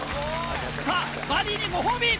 さぁバディにご褒美！